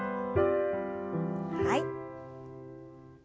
はい。